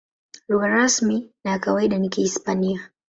Lugha rasmi na ya kawaida ni Kihispania.